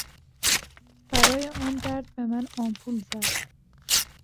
برای آن درد به من آمپول زد.